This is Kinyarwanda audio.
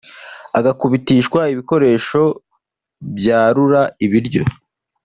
agakubitishwa ibikoresho byarura ibiryo